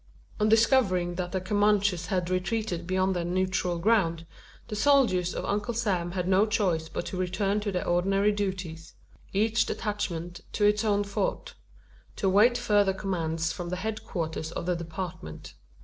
On discovering that the Comanches had retreated beyond their neutral ground, the soldiers of Uncle Sam had no choice but to return to their ordinary duties each detachment to its own fort to await further commands from the head quarters of the "department."